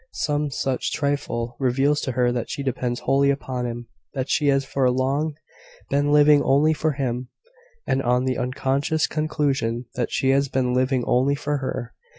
Some such trifle reveals to her that she depends wholly upon him that she has for long been living only for him, and on the unconscious conclusion that he has been living only for her.